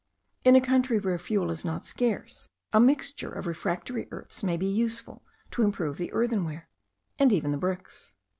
In a country where fuel is not scarce, a mixture of refractory earths may be useful, to improve the earthenware, and even the bricks.